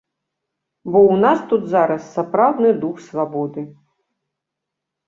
Бо ў нас тут зараз сапраўдны дух свабоды.